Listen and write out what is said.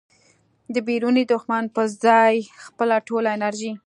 د بیروني دښمن په ځای خپله ټوله انرژي